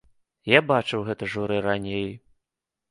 Я бачыў гэта журы раней.